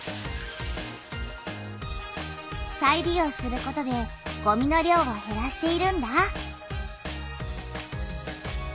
再利用することでごみの量をへらしているんだ。